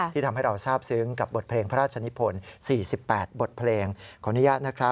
ทำให้เราทราบซึ้งกับบทเพลงพระราชนิพล๔๘บทเพลงขออนุญาต